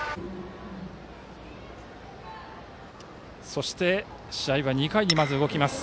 そして試合は２回にまず動きます。